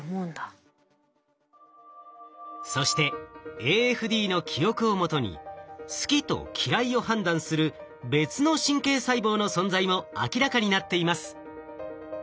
そしてＡＦＤの記憶をもとに好きと嫌いを判断する別の神経細胞の存在も明らかになっています。